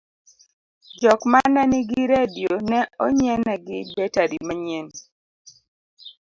jok manenigi redio ne onyienegi betari manyien